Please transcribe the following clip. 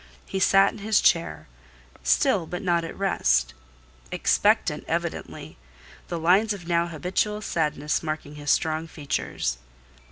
He sat in his chair—still, but not at rest: expectant evidently; the lines of now habitual sadness marking his strong features.